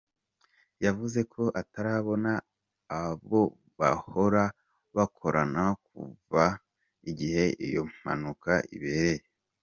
Yavuze ko atarabona abo bahora bakorana, kuva igihe iyo mpanuka ibereye.